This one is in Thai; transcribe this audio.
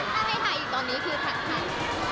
ถ้าไม่ถ่ายอีกตอนนี้คือถ่ายไหน